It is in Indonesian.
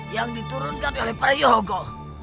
yang di turunkan oleh para yohogo